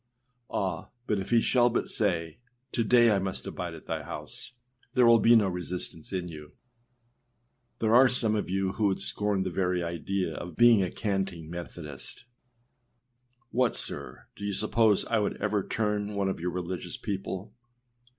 â Ah! but if he shall but say, âTo day I must abide at thy house,â there will be no resistance in you. There are some of you who would scorn the very idea of being a canting Methodist; âWhat, sir! do you suppose I would ever turn one of your religious people?